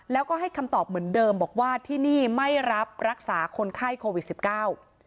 แล้วก็ให้คำตอบเหมือนเดิมบอกว่าที่นี่ไม่รับรักษาคนไข้โควิดสิบเก้า